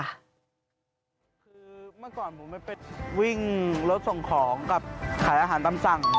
คือเมื่อก่อนผมไปวิ่งรถส่งของกับขายอาหารตามสั่ง